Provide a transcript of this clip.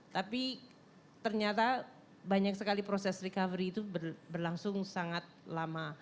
tapi ternyata banyak sekali proses recovery itu berlangsung sangat lama